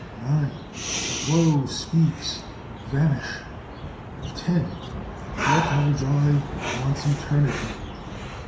"'NINE! "'Woe speaks: Vanish!' "'TEN! "'Yet all joy wants eternity